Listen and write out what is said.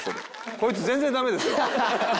こいつ全然駄目ですよ。